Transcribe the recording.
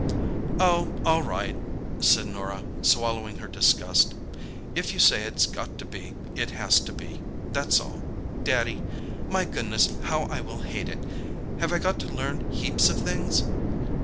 "Oh, all right," said Norah, swallowing her disgust. "If you say it's got to be, it has to be, that's all, Daddy. My goodness, how I will hate it! Have I got to learn heaps of things?"